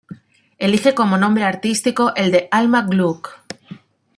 Elije como nombre artístico el de Alma Gluck.